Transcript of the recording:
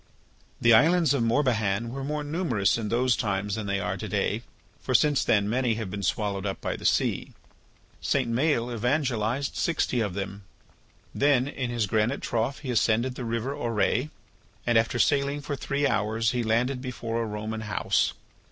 The islands of Morbihan were more numerous in those times than they are to day. For since then many have been swallowed up by the sea. St. Maël evangelized sixty of them. Then in his granite trough he ascended the river Auray. And after sailing for three hours he landed before a Roman house.